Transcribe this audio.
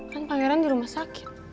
kan pangeran di rumah sakit